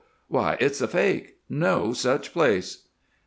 "Why, it's a fake no such place."